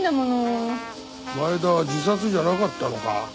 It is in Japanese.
前田は自殺じゃなかったのか？